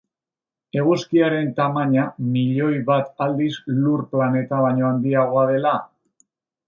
Eguzkiaren tamaina miloi bat aldiz lur planeta baino handiagoa dela?